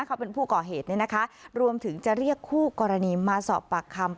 เขาเป็นผู้ก่อเหตุเนี่ยนะคะรวมถึงจะเรียกคู่กรณีมาสอบปากคำ